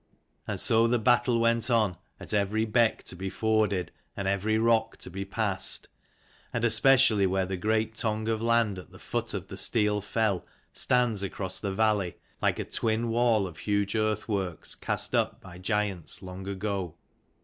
And so the battle went on, at every beck to be forded, and every rock to be passed: and especially where the great tongue of land at the foot of Steel fell stands across the valley, like a twin wall of huge earth works cast up by giants long ago.